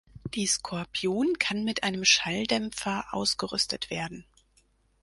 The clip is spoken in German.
Die Skorpion kann mit einem Schalldämpfer ausgerüstet werden.